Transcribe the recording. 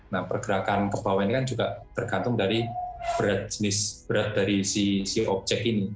nah pergerakan ke bawah ini kan juga tergantung dari berat dari si objek ini